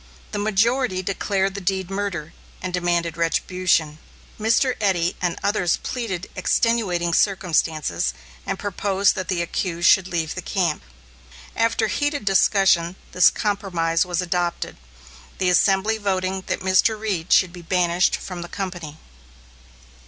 The majority declared the deed murder, and demanded retribution. Mr. Eddy and others pleaded extenuating circumstances and proposed that the accused should leave the camp. After heated discussion this compromise was adopted, the assembly voting that Mr. Reed should be banished from the company.